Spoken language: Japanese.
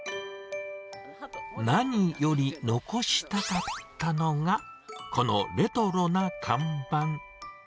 何より残したかったのが、このレトロな看板。